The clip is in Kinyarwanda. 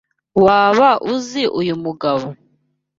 Waba uzi uyu mugabo?